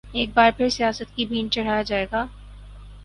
ایک بار پھر سیاست کی بھینٹ چڑھایا جائے گا؟